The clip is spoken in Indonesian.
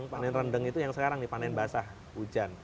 panen rendeng itu yang sekarang nih panen basah hujan